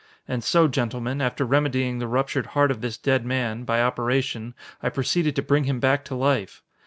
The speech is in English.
And so, gentlemen, after remedying the ruptured heart of this dead man, by operation, I proceeded to bring him back to life.